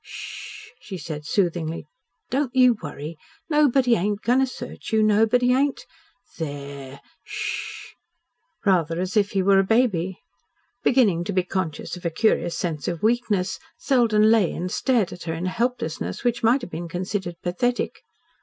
"Sh sh," she said soothingly. "Don't you worry. Nobody ain't goin' to search you. Nobody ain't. There! Sh, sh, sh," rather as if he were a baby. Beginning to be conscious of a curious sense of weakness, Selden lay and stared at her in a helplessness which might have been considered pathetic.